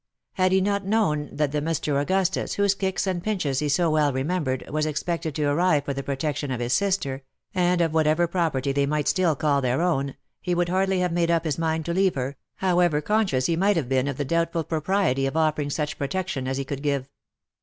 Had he not known that the Mr. Augustus, whose kicks and pinches he so well remembered, was ex pected to arrive for the protection of his sister, and of whatever pro perty they might still call their own, he would hardly have made up his mind to leave her, however conscious he might have been of the doubtful propriety of offering such protection as he could give.